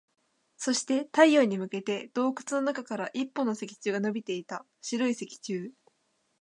そして、太陽に向けて洞窟の中から一本の石柱が伸びていた。白い石柱。